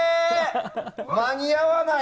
間に合わない！